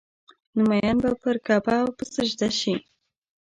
نو مين به پر کعبه او په سجده شي